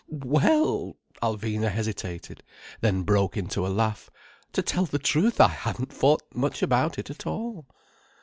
—well—!" Alvina hesitated, then broke into a laugh. "To tell the truth I haven't thought much about it at all."